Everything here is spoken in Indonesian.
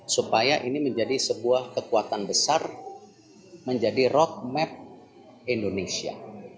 supaya ini menjadi sebuah kekuatan besar menjadi roadmap indonesia